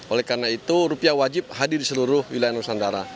oleh karena itu rupiah wajib hadir di seluruh wilayah nusantara